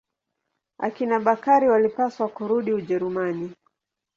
Akina Bakari walipaswa kurudi Ujerumani.